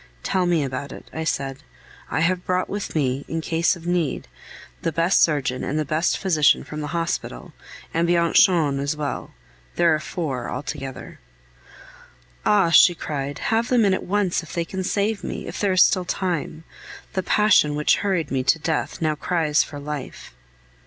"Tell me about it," I said. "I have brought with me, in case of need, the best surgeon and the best physician from the hospital, and Bianchon as well; there are four altogether." "Ah!" she cried, "have them in at once if they can save me, if there is still time. The passion which hurried me to death now cries for life!"